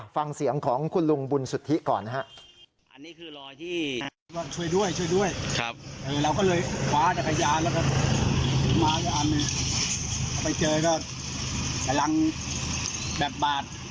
ฟังเสียงของคุณลุงบุญสุทธิก่อนนะฮะ